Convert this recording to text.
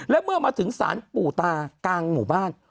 และเมื่อมาถึงสารปู่ตากลางหมู่บ้าน